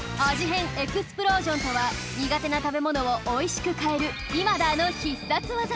変エクスプロージョンとは苦手な食べものをおいしく変えるイマダーの必殺技。